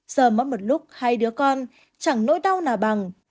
giờ mất một lúc hai đứa con chẳng nỗi đau nà bằng